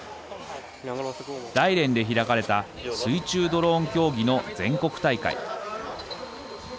大連で開かれた水中ドローン競技の全国大会。